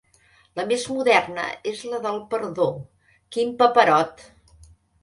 La més moderna és la del Perdó, quin paperot!